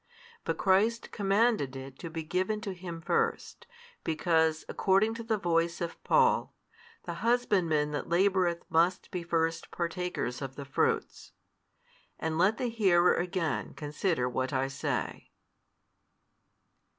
But Christ commandeth it to be given to him first, because, according to the voice of Paul, The husbandman that laboureth must be first partaker of the fruits. And let the hearer again consider what I say.